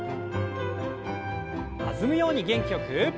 弾むように元気よく。